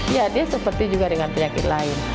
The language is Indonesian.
ya dia seperti juga dengan penyakit lain